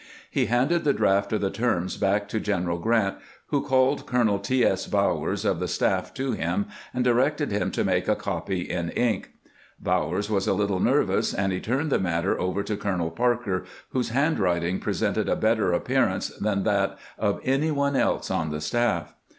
He handed the draft of the terms back to General Grant, who called Colonel T. S. Bowers of the staff to him, and directed him to make a copy in ink. Bowers was a little nervous, and he turned the matter over to Colonel Parker, whose handwriting presented a better appearance than that of any one else on the staff.